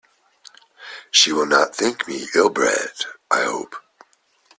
She will not think me ill-bred, I hope?